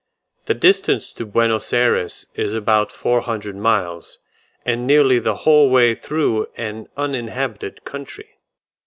The distance to Buenos Ayres is about four hundred miles, and nearly the whole way through an uninhabited country.